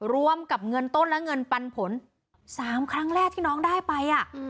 รวมกับเงินต้นและเงินปันผล๓ครั้งแรกที่น้องได้ไป